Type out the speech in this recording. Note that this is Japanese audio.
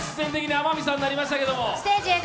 天海さんになりましたけど。